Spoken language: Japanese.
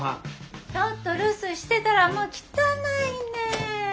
ちょっと留守してたらもう汚いねん。